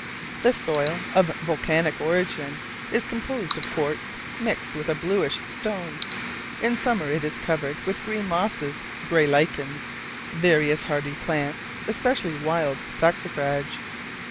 The soil, of volcanic origin, is composed of quartz, mixed with a bluish stone. In summer it is covered with green mosses, grey lichens, various hardy plants, especially wild saxifrage.